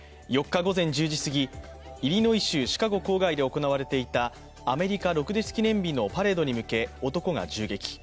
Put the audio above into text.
４日午前１０時すぎ、イリノイ州シカゴ郊外で行われていたアメリカ独立記念日のパレードに向け、男が銃撃。